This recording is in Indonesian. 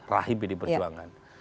rahim pd perjuangan